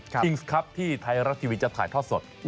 คิงส์ครับที่ไทยรัฐทีวีจะถ่ายทอดสด